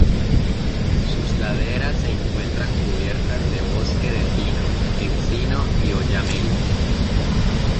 Sus laderas se encuentran cubiertas de bosques de pino, encino y oyamel.